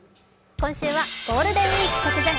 今週はゴールデンウイーク直前！